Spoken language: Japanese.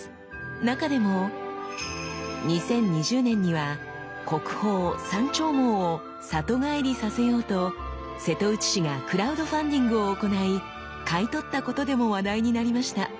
中でも２０２０年には国宝山鳥毛を里帰りさせようと瀬戸内市がクラウドファンディングを行い買い取ったことでも話題になりました。